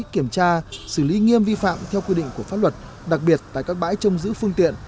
kiểm tra xử lý nghiêm vi phạm theo quy định của pháp luật đặc biệt tại các bãi trông giữ phương tiện